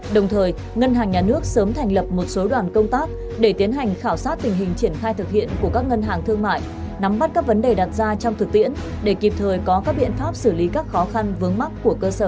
đồng thời ngân hàng nhà nước sớm thành lập một số đoàn công tác để tiến hành khảo sát tình hình triển khai thực hiện của các ngân hàng thương mại nắm bắt các vấn đề đặt ra trong thực tiễn để kịp thời có các biện pháp xử lý các khó khăn vướng mắt của cơ sở